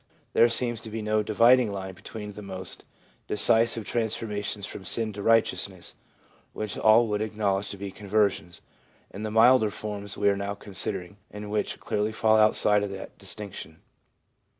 There seems to be no dividing line between the most decisive trans formations from sin to righteousness which all would acknowledge to be conversions, and the milder forms we are now considering, and which clearly fall outside of that distinction.